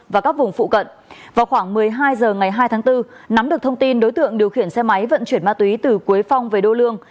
vào khoảng một mươi hai h ngày hai tháng bốn nắm được thông tin đối tượng điều khiển xe máy vận chuyển ma túy từ quế phong về đô lương